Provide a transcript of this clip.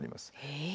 え？